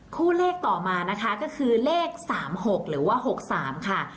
คู่เลขต่อมานะคะก็คือเลข๓๖หรือว่า๖๓ค่ะ